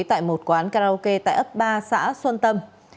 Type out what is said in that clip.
tại một quán karaoke tại ấp ba xã xuân tâm